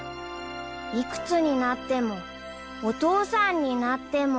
［いくつになってもお父さんになっても］